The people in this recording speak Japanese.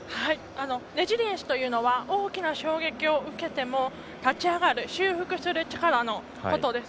レジリエンスというのは大きな衝撃を受けても立ち上がる修復する力のことです。